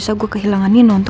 tapi kayanya tidak akan indahacu